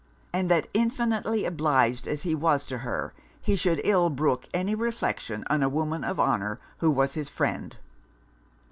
And that infinitely obliged as he was to her, he should ill brook any reflection on a woman of honour who was his friend.